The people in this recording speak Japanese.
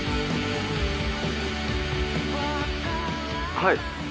はい。